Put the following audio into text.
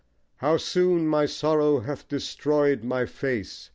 How soon my sorrow hath destroyed my face!